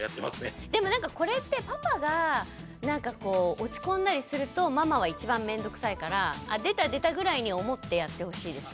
でもこれってパパがなんかこう落ち込んだりするとママは一番面倒くさいからああ出た出たぐらいに思ってやってほしいですね。